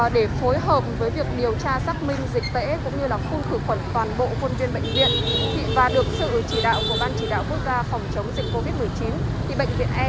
để phối hợp với việc điều tra xác minh dịch tễ cũng như là khuôn khử khuẩn toàn bộ quân viên bệnh viện